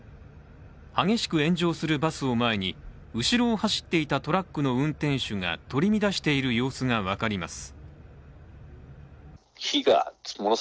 激しく炎上するバスを前に後ろを走っていたトラックの運転手が取り乱している様子が分かります。